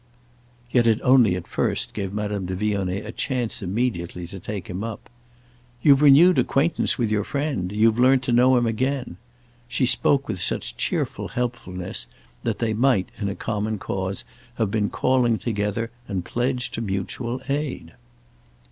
Yet it only at first gave Madame de Vionnet a chance immediately to take him up. "You've renewed acquaintance with your friend—you've learnt to know him again." She spoke with such cheerful helpfulness that they might, in a common cause, have been calling together and pledged to mutual aid.